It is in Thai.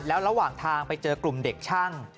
แล้วระหว่างทางไปเจอกลุ่มเด็กช่าง